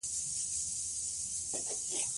ته يوه نيکي هم سپکه مه ګڼه